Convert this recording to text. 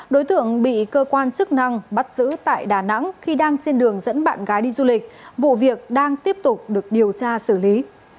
đối tượng bị cơ quan chức năng bắt giữ tại đà nẵng khi đang trên đường dẫn bạn gái đi du lịch vụ việc đang tiếp tục được điều tra xử lý